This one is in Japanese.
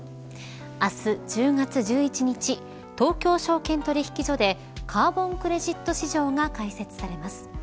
明日、１０月１１日東京証券取引所でカーボン・クレジット市場が開設されます。